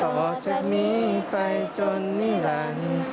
เอาออกจากนี้ไปจนนิรันดร์